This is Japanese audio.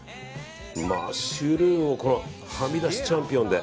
マッシュルームもはみ出しチャンピオンで。